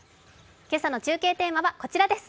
今朝の中継テーマはこちらです。